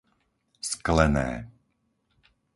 Sklené